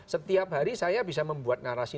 setiap hari saya bisa membuat narasi